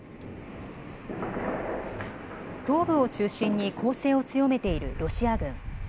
東部を中心に攻勢を強めているロシア軍。